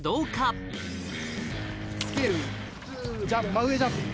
真上ジャンプ。